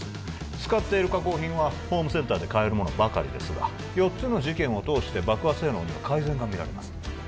使っている火工品はホームセンターで買えるものばかりですが４つの事件を通して爆破性能には改善が見られます